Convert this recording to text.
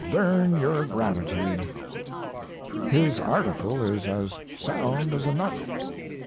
Dern your gratitude! His article is as sound as a nut.